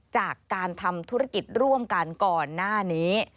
จากการทำธุรกิจร่วมกันก่อนหน้านี้